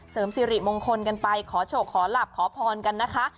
สิริมงคลกันไปขอโชคขอหลับขอพรกันนะคะ